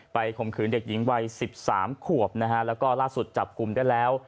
ข่มขืนเด็กหญิงวัย๑๓ขวบนะฮะแล้วก็ล่าสุดจับกลุ่มได้แล้ว